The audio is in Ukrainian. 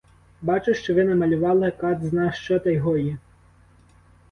Бачу, що ви намалювали кат зна що та й годі!